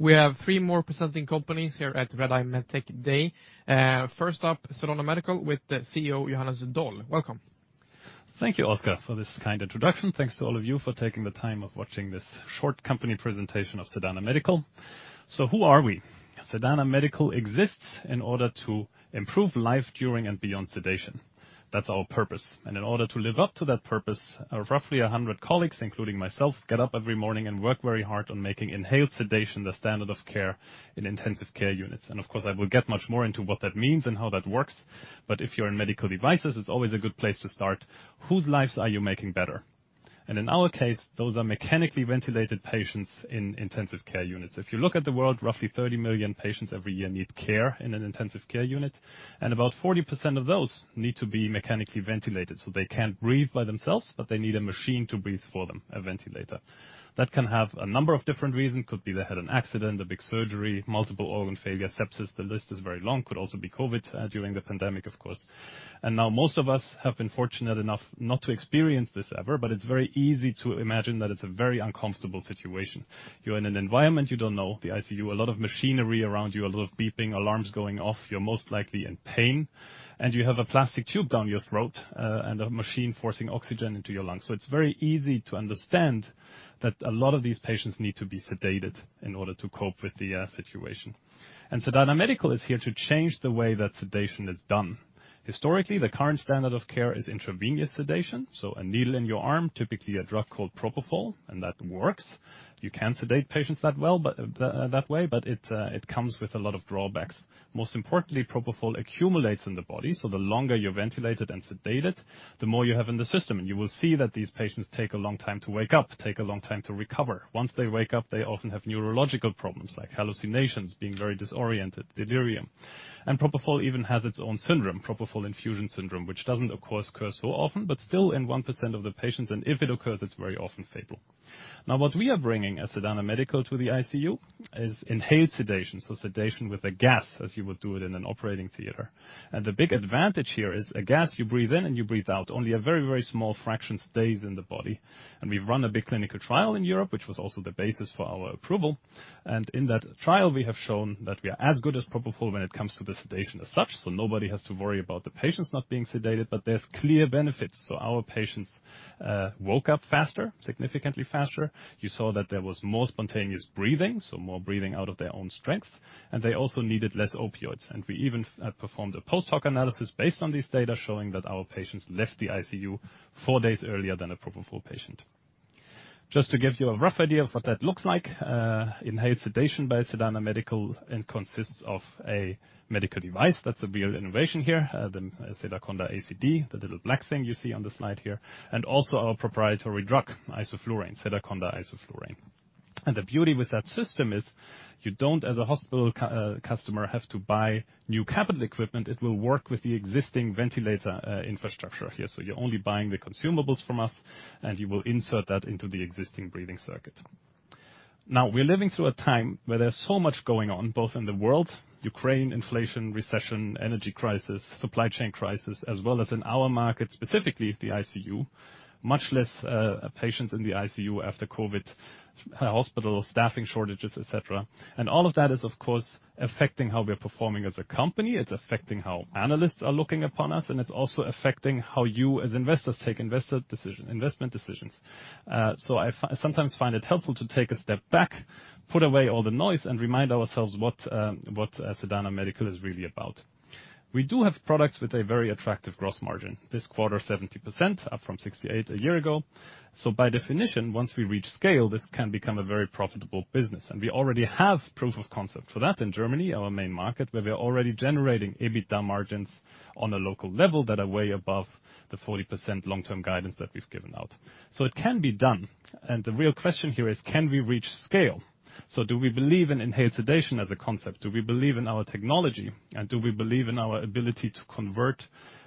We have three more presenting companies here at Redeye Medtech & Diagnostics event. First up, Sedana Medical with CEO Johannes Doll. Welcome. Thank you, Oscar, for this kind introduction. Thanks to all of you for taking the time of watching this short company presentation of Sedana Medical. So who are we? Sedana Medical exists in order to improve life during and beyond sedation. That's our purpose. And in order to live up to that purpose, roughly 100 colleagues, including myself, get up every morning and work very hard on making inhaled sedation the standard of care in intensive care units. And of course, I will get much more into what that means and how that works. But if you're in medical devices, it's always a good place to start. Whose lives are you making better? And in our case, those are mechanically ventilated patients in intensive care units. If you look at the world, roughly 30 million patients every year need care in an intensive care unit. And about 40% of those need to be mechanically ventilated. So they can't breathe by themselves, but they need a machine to breathe for them, a ventilator. That can have a number of different reasons. Could be they had an accident, a big surgery, multiple organ failure, sepsis. The list is very long. Could also be COVID during the pandemic, of course. And now most of us have been fortunate enough not to experience this ever, but it's very easy to imagine that it's a very uncomfortable situation. You're in an environment you don't know, the ICU, a lot of machinery around you, a lot of beeping, alarms going off. You're most likely in pain. And you have a plastic tube down your throat and a machine forcing oxygen into your lungs. It's very easy to understand that a lot of these patients need to be sedated in order to cope with the situation. Sedana Medical is here to change the way that sedation is done. Historically, the current standard of care is intravenous sedation. A needle in your arm, typically a drug called propofol, and that works. You can sedate patients that way, but it comes with a lot of drawbacks. Most importantly, propofol accumulates in the body. The longer you're ventilated and sedated, the more you have in the system. You will see that these patients take a long time to wake up, take a long time to recover. Once they wake up, they often have neurological problems like hallucinations, being very disoriented, delirium. And propofol even has its own syndrome, propofol-related infusion syndrome, which doesn't, of course, occur so often, but still in 1% of the patients. And if it occurs, it's very often fatal. Now, what we are bringing at Sedana Medical to the ICU is inhaled sedation. So sedation with a gas, as you would do it in an operating theater. And the big advantage here is a gas you breathe in and you breathe out. Only a very, very small fraction stays in the body. And we've run a big clinical trial in Europe, which was also the basis for our approval. And in that trial, we have shown that we are as good as propofol when it comes to the sedation as such. So nobody has to worry about the patients not being sedated, but there's clear benefits. So our patients woke up faster, significantly faster. You saw that there was more spontaneous breathing, so more breathing out of their own strength, and they also needed less opioids. We even performed a post hoc analysis based on these data showing that our patients left the ICU four days earlier than a propofol patient. Just to give you a rough idea of what that looks like, inhaled sedation by Sedana Medical consists of a medical device. That's a real innovation here, the Sedaconda ACD, the little black thing you see on the slide here, and also our proprietary drug, isoflurane, Sedaconda isoflurane, and the beauty with that system is you don't, as a hospital customer, have to buy new capital equipment. It will work with the existing ventilator infrastructure here. So you're only buying the consumables from us, and you will insert that into the existing breathing circuit. Now, we're living through a time where there's so much going on, both in the world, Ukraine, inflation, recession, energy crisis, supply chain crisis, as well as in our market, specifically the ICU, much less patients in the ICU after COVID, hospital staffing shortages, et cetera, and all of that is, of course, affecting how we're performing as a company. It's affecting how analysts are looking upon us, and it's also affecting how you as investors take investment decisions, so I sometimes find it helpful to take a step back, put away all the noise, and remind ourselves what Sedana Medical is really about. We do have products with a very attractive gross margin. This quarter, 70%, up from 68% a year ago, so by definition, once we reach scale, this can become a very profitable business. And we already have proof of concept for that in Germany, our main market, where we're already generating EBITDA margins on a local level that are way above the 40% long-term guidance that we've given out. So it can be done. And the real question here is, can we reach scale? So do we believe in inhaled sedation as a concept? Do we believe in our technology? And do we believe in our ability to convert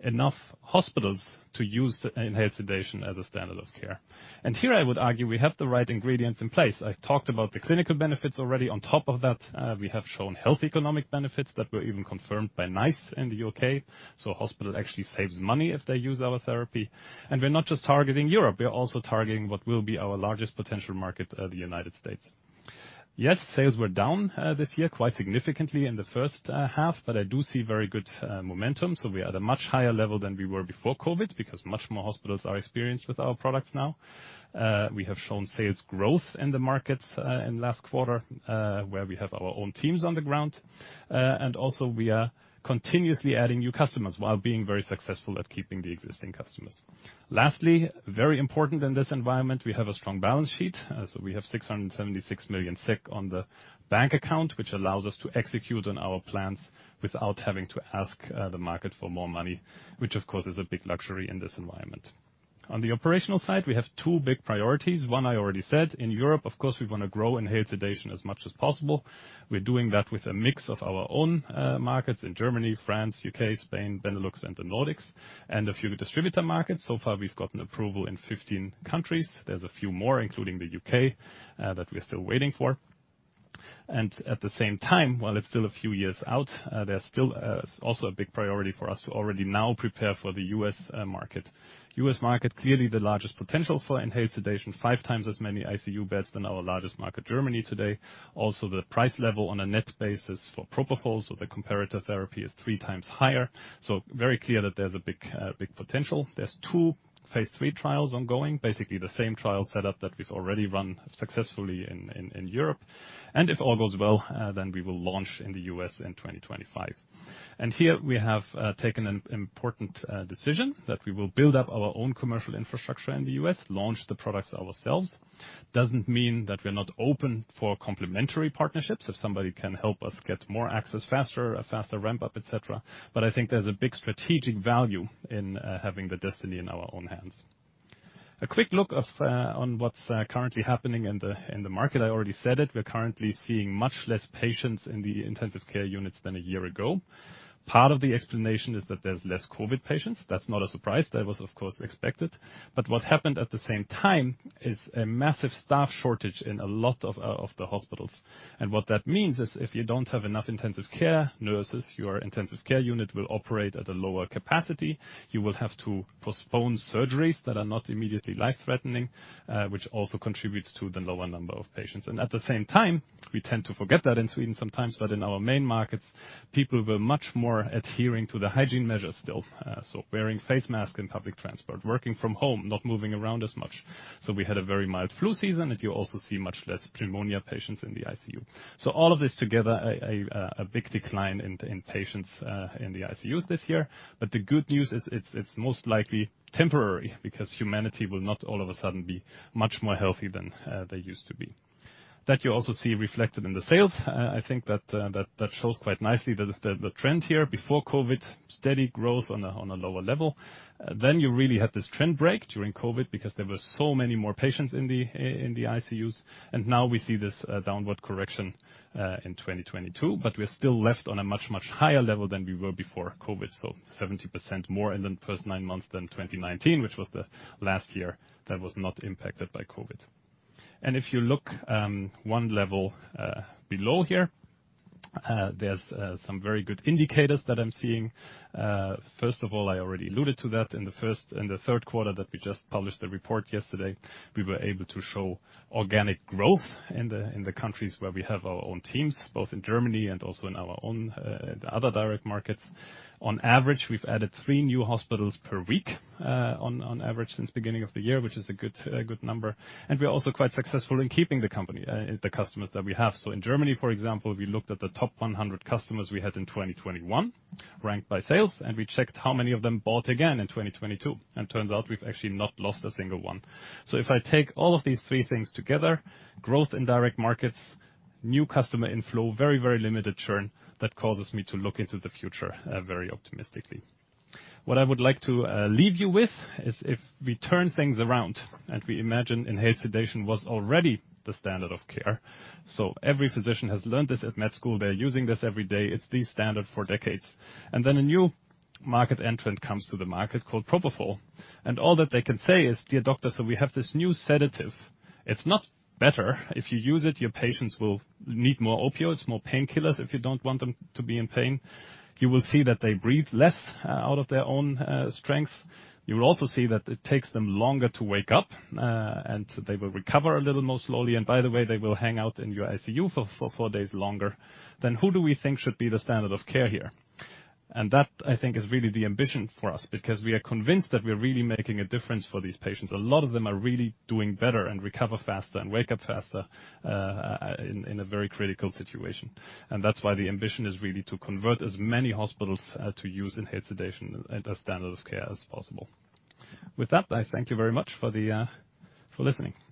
enough hospitals to use inhaled sedation as a standard of care? And here, I would argue we have the right ingredients in place. I talked about the clinical benefits already. On top of that, we have shown health economic benefits that were even confirmed by NICE in the U.K. So hospital actually saves money if they use our therapy. And we're not just targeting Europe. We're also targeting what will be our largest potential market, the United States. Yes, sales were down this year quite significantly in the first half, but I do see very good momentum. So we are at a much higher level than we were before COVID because much more hospitals are experienced with our products now. We have shown sales growth in the markets in last quarter, where we have our own teams on the ground. And also, we are continuously adding new customers while being very successful at keeping the existing customers. Lastly, very important in this environment, we have a strong balance sheet. So we have 676 million SEK on the bank account, which allows us to execute on our plans without having to ask the market for more money, which, of course, is a big luxury in this environment. On the operational side, we have two big priorities. One, I already said. In Europe, of course, we want to grow inhaled sedation as much as possible. We're doing that with a mix of our own markets in Germany, France, U.K., Spain, Benelux, and the Nordics, and a few distributor markets. So far, we've gotten approval in 15 countries. There's a few more, including the U.K., that we're still waiting for. And at the same time, while it's still a few years out, there's still also a big priority for us to already now prepare for the U.S. market. U.S. market, clearly the largest potential for inhaled sedation, five times as many ICU beds than our largest market, Germany, today. Also, the price level on a net basis for propofol, so the comparator therapy is three times higher. So very clear that there's a big potential. There's two phase III trials ongoing, basically the same trial setup that we've already run successfully in Europe, and if all goes well, then we will launch in the U.S. in 2025, and here, we have taken an important decision that we will build up our own commercial infrastructure in the U.S., launch the products ourselves. Doesn't mean that we're not open for complementary partnerships, if somebody can help us get more access faster, a faster ramp-up, et cetera, but I think there's a big strategic value in having the destiny in our own hands. A quick look on what's currently happening in the market. I already said it. We're currently seeing much less patients in the intensive care units than a year ago. Part of the explanation is that there's less COVID patients. That's not a surprise. That was, of course, expected. But what happened at the same time is a massive staff shortage in a lot of the hospitals. And what that means is if you don't have enough intensive care nurses, your intensive care unit will operate at a lower capacity. You will have to postpone surgeries that are not immediately life-threatening, which also contributes to the lower number of patients. And at the same time, we tend to forget that in Sweden sometimes, but in our main markets, people were much more adhering to the hygiene measures still. So wearing face masks in public transport, working from home, not moving around as much. So we had a very mild flu season, and you also see much less pneumonia patients in the ICU. So all of this together, a big decline in patients in the ICUs this year. But the good news is it's most likely temporary because humanity will not all of a sudden be much more healthy than they used to be. That you also see reflected in the sales. I think that shows quite nicely the trend here. Before COVID, steady growth on a lower level. Then you really had this trend break during COVID because there were so many more patients in the ICUs. And now we see this downward correction in 2022, but we're still left on a much, much higher level than we were before COVID. So 70% more in the first nine months than 2019, which was the last year that was not impacted by COVID. And if you look one level below here, there's some very good indicators that I'm seeing. First of all, I already alluded to that in the third quarter that we just published the report yesterday. We were able to show organic growth in the countries where we have our own teams, both in Germany and also in our own other direct markets. On average, we've added three new hospitals per week on average since the beginning of the year, which is a good number. And we're also quite successful in keeping the company, the customers that we have. So in Germany, for example, we looked at the top 100 customers we had in 2021, ranked by sales, and we checked how many of them bought again in 2022. And turns out we've actually not lost a single one. So if I take all of these three things together, growth in direct markets, new customer inflow, very, very limited churn, that causes me to look into the future very optimistically. What I would like to leave you with is if we turn things around and we imagine inhaled sedation was already the standard of care. So every physician has learned this at med school. They're using this every day. It's the standard for decades. And then a new market entrant comes to the market called propofol. And all that they can say is, "Dear doctor, so we have this new sedative. It's not better. If you use it, your patients will need more opioids, more painkillers if you don't want them to be in pain. You will see that they breathe less out of their own strength. You will also see that it takes them longer to wake up, and they will recover a little more slowly. And by the way, they will hang out in your ICU for four days longer. Then who do we think should be the standard of care here?" And that, I think, is really the ambition for us because we are convinced that we're really making a difference for these patients. A lot of them are really doing better and recover faster and wake up faster in a very critical situation. And that's why the ambition is really to convert as many hospitals to use inhaled sedation as standard of care as possible. With that, I thank you very much for listening.